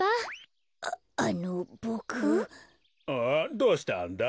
どうしたんだ？